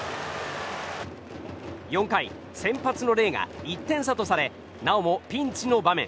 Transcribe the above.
４階、先発のレイが１点差とされなおもピンチの場面。